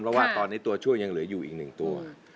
เพราะว่าตอนนี้ตัวช่วยยังเหลืออยู่อีก๑ตัว